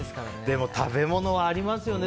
でも、食べ物はありますよね。